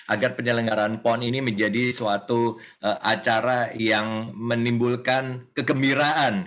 agar penyelenggaraan pon ini menjadi suatu acara yang menimbulkan kegembiraan